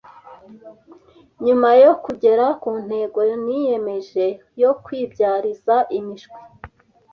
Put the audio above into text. nyuma yo kugera ku ntego niyemeje yo kwibyariza imishwi